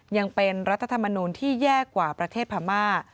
ยังเป็นรัฐธรรมนูลที่แย่กว่าประเทศพม่า